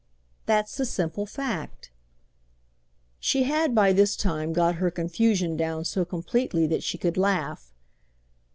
That's the simple fact!" She had by this time got her confusion down so completely that she could laugh.